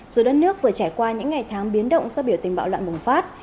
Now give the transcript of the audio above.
dù đất nước vừa trải qua những ngày tháng biến động do biểu tình bạo loạn bùng phát